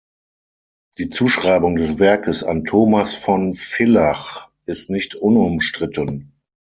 Die Zuschreibung des Werkes an Thomas von Villach ist nicht unumstritten.